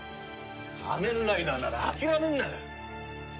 仮面ライダーなら諦めんな！